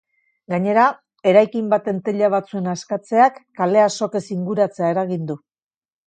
Gainera, eraikin baten teila batzuen askatzeak kalea sokez inguratzea eragin du.